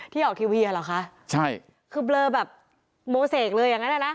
ออกทีวีอ่ะเหรอคะใช่คือเบลอแบบโมเสกเลยอย่างนั้นอ่ะนะ